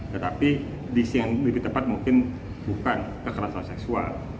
tetapi disi yang lebih tepat mungkin bukan kekerasan seksual